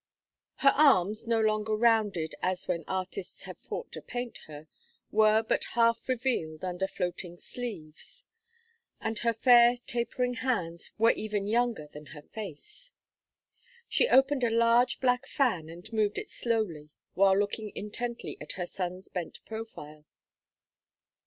Her arms, no longer rounded as when artists had fought to paint her, were but half revealed under floating sleeves, and her fair tapering hands were even younger than her face. She opened a large black fan and moved it slowly while looking intently at her son's bent profile.